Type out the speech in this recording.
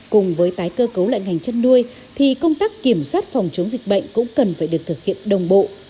cùng với tái cơ cấu lại ngành chăn nuôi thì công tác kiểm soát phòng chống dịch bệnh cũng cần phải được thực hiện đồng bộ